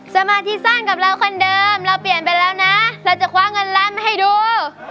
สมาธิสั้นกับเราคนเดิมเราเปลี่ยนไปแล้วนะเราจะคว้าเงินล้านมาให้ดู